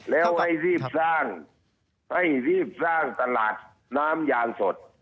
แล้วให้รีบสร้างตลาดน้ำยางสด